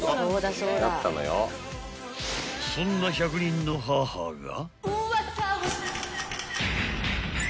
［そんな１００人の母が］